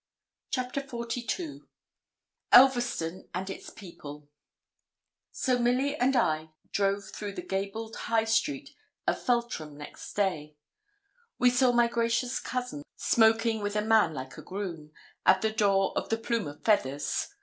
CHAPTER XLII ELVERSTON AND ITS PEOPLE So Milly and I drove through the gabled high street of Feltram next day. We saw my gracious cousin smoking with a man like a groom, at the door of the 'Plume of Feathers.'